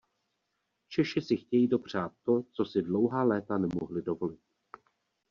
Češi si chtějí dopřát to, co si dlouhá léta nemohli dovolit.